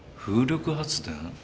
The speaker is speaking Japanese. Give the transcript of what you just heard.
風力発電？